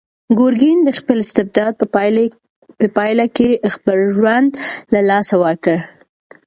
ګورګین د خپل استبداد په پایله کې خپل ژوند له لاسه ورکړ.